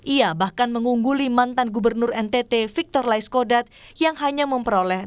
ia bahkan mengungguli mantan gubernur ntt victor laiskodat yang hanya memperoleh enam puluh lima tiga ratus lima puluh sembilan suara